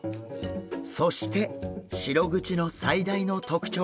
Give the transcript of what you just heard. そしてシログチの最大の特徴が。